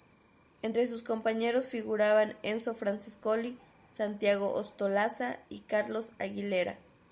Entre sus compañeros figuraban Enzo Francescoli, Santiago Ostolaza y Carlos Aguilera.